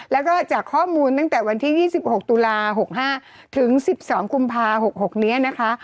แล้วก็จากข้อมูลตั้งแต่วันที่๒๖ตุลา๖๕ถึง๑๒กุมภา๖๖นี้นะคะ